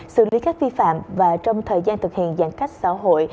xử lý các vi phạm và trong thời gian thực hiện giãn cách xã hội